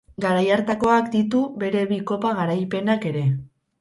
Garai hartakoak ditu bere bi kopa garaipenak ere.